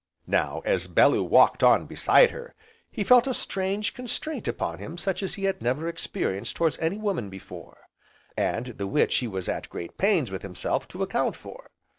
Now, as Bellew walked on beside her, he felt a strange constraint upon him such as he had never experienced towards any woman before, and the which he was at great pains with himself to account for.